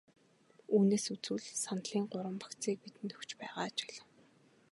Үүнээс үзвэл саналын гурван багцыг бидэнд өгч байгааг ажиглав.